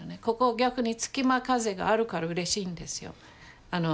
ここ逆に隙間風があるからうれしいんですよ。